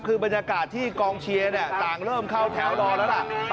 คือบรรยากาศที่กองเชียร์ต่างเริ่มเข้าแถวรอแล้วล่ะ